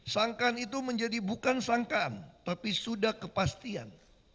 sangkaan itu menjadi bukan sangkaan tapi sudah kepastian